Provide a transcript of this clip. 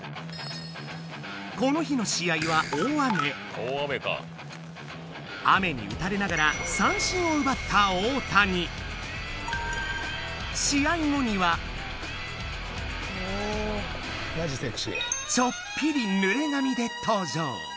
この日の試合は雨に打たれながら三振を奪った大谷ちょっぴりぬれ髪で登場